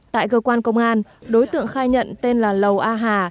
tại cơ quan công an đối tượng khai nhận tên là lầu a hà